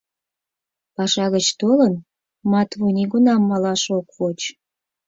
Паша гыч толын, Матвуй нигунам малаш ок воч.